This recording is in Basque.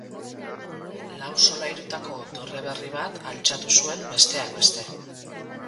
Lau solairutako dorre berri bat altxatu zuen besteak beste.